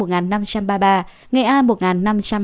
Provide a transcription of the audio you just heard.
nghệ an một năm trăm hai mươi năm